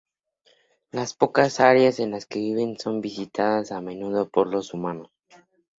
Las pocas áreas en las que viven son visitadas a menudo por los humanos.